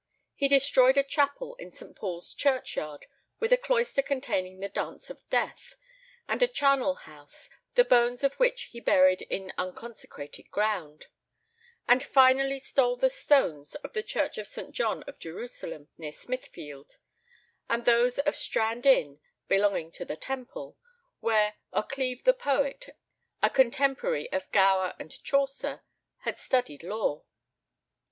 He destroyed a chapel in St. Paul's Churchyard, with a cloister containing the "Dance of Death," and a charnel house, the bones of which he buried in unconsecrated ground, and finally stole the stones of the church of St. John of Jerusalem, near Smithfield, and those of Strand Inn (belonging to the Temple), where Occleve the poet, a contemporary of Gower and Chaucer, had studied law.